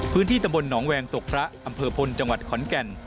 พื้นที่ตำบลหนองแวงศกพระอำเภอพลจังหวัดขอนแก่น